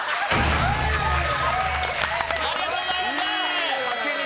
ありがとうございます！